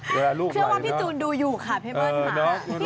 เชื่อว่าพี่จูนดูอยู่ค่ะพี่เบิ้ลค่ะ